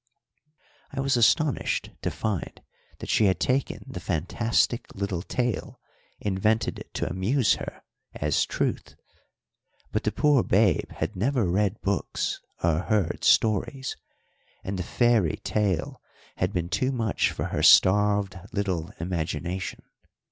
I was astonished to find that she had taken the fantastic little tale invented to amuse her as truth; but the poor babe had never read books or heard stories, and the fairy tale had been too much for her starved little imagination.